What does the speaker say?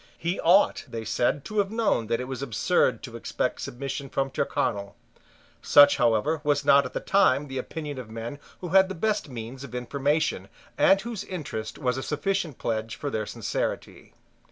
He ought, they said, to have known that it was absurd to expect submission from Tyrconnel. Such however was not at the time the opinion of men who had the best means of information, and whose interest was a sufficient pledge for their sincerity.